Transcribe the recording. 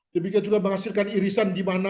demikian juga menghasilkan irisan di mana